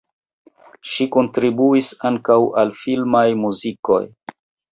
Ŝi kontribuis ankaŭ al filmaj muzikoj.